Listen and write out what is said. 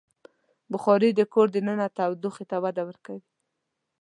بخاري د کور دننه تودوخې ته وده ورکوي.